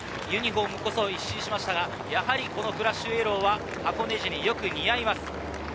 ユニホームこそ一新しましたが、やはりこのフラッシュイエローは箱根路によく似合います。